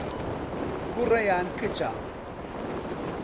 کوڕە یان کچە؟